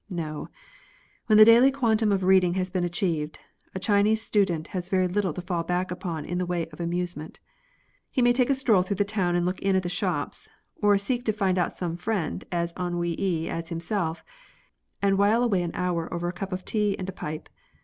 No, — when the daily quan tum of reading has been achieved, a Chinese student has very little to fall back upon in the way of amuse ment. He may take a stroll through the town and look in at the shops, or seek out some friend as ennuye as himself, and while away an hour over a cup of tea and a pipe.